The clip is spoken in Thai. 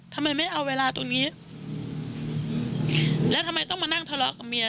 ทำไมไม่เอาเวลาตรงนี้แล้วทำไมต้องมานั่งทะเลาะกับเมีย